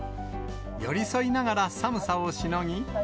寄り添いながら寒さをしのぎ。